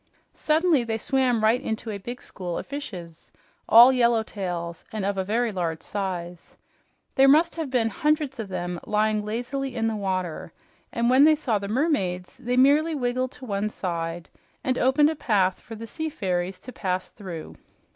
Suddenly they swam right into a big school of fishes, all yellowtails and of very large size. There must have been hundreds of them lying lazily in the water, and when they saw the mermaids they merely wriggled to one side and opened a path for the sea fairies to pass through.